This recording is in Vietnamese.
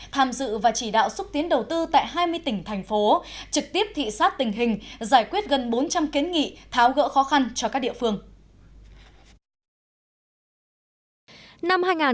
tham dự và chỉ đạo xúc tiến đầu tư tại hai mươi tỉnh thành phố trực tiếp thị xát tình hình giải quyết gần bốn trăm linh kiến nghị tháo gỡ khó khăn cho các địa phương